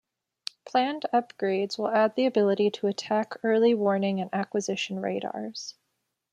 Planned upgrades will add the ability to attack early warning and acquisition radars.